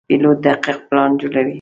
پیلوټ دقیق پلان جوړوي.